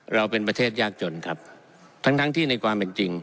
เราเป็นประเทศยากจนครับทั้งที่ในความจริง